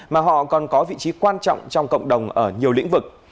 mà họ còn có vị trí quan trọng trong cộng đồng ở nhiều lĩnh vực